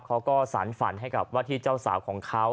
เขาก็สารฝันให้กับว่าที่เจ้าสาวของเขา